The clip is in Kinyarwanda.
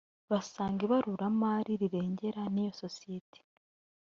basanga ibaruramari rirengera n’iyo sosiyete